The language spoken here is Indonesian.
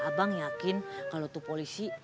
abang yakin kalau itu polisi